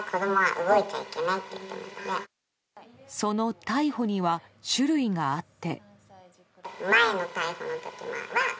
その逮捕には種類があって。